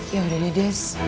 yaudah deh des